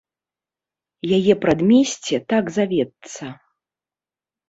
Яе прадмесце так завецца.